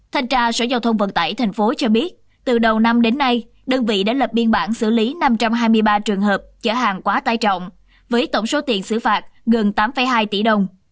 thanh tra sở giao thông vận tải tp hcm cho biết từ đầu năm đến nay đơn vị đã lập biên bản xử lý năm trăm hai mươi ba trường hợp chở hàng quá tài trọng với tổng số tiền xử phạt gần tám hai tỷ đồng